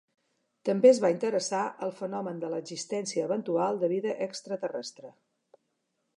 També es va interessar al fenomen de l'existència eventual de vida extraterrestre.